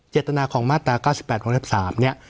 เจตนาของมาตรา๙๘๖๓เนี่ย